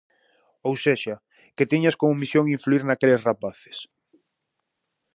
Ou sexa, que tiñas como misión influír naqueles rapaces.